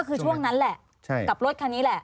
คือช่วงนั้นแหละกับรถคันนี้แหละ